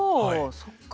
そっか。